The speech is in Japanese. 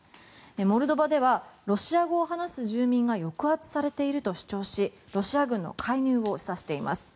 モルドバではロシア語を話す住民が抑圧されていると主張しロシア軍の介入を示唆しています。